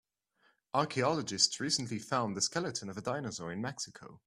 Archaeologists recently found the skeleton of a dinosaur in Mexico.